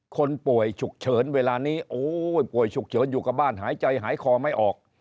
คนป่วยฉุกเฉินเวลานี้โอ้ยป่วยฉุกเฉินอยู่กับบ้านหายใจหายคอไม่ออก